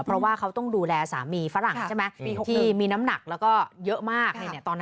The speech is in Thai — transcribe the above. เพราะว่าเขาต้องดูแลสามีฝรั่งใช่ไหมที่มีน้ำหนักแล้วก็เยอะมาก